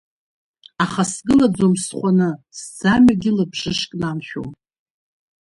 Аха сгылаӡом схәаны, сӡамҩагьы лабжышк намшәом.